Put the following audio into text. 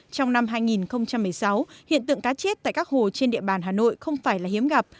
trong năm hai nghìn một mươi sáu hiện tượng cá chết tại các hồ trên địa bàn hà nội không phải là hiếm gặp